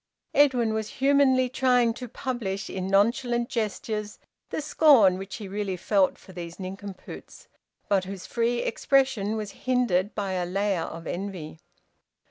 Edwin was humanly trying to publish in nonchalant gestures the scorn which he really felt for these nincompoops, but whose free expression was hindered by a layer of envy.